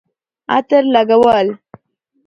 عطر لګول